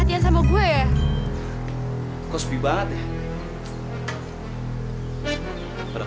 tidak ada orang di sana